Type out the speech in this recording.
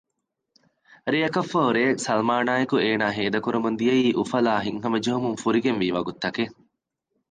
ރެއަކަށްފަހު ރެޔެއް ސަލްމާނާއެކު އޭނާ ހޭދަކުރަމުން ދިޔައީ އުފަލާއި ހިތްހަމަޖެހުމުން ފުރިގެންވީ ވަގުތުތަކެއް